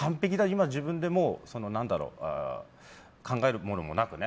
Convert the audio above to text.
今、自分でもう、考えるものもなくね